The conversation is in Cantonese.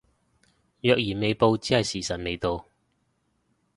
若然未報只係時辰未到